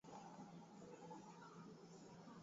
Majaribio ya kulia kwa sauti bila mafanikio